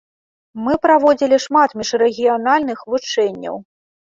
Мы праводзілі шмат міжрэгіянальных вучэнняў.